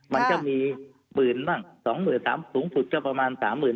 มันก็มีหมื่นบ้างสูงสุดก็ประมาณสามหมื่น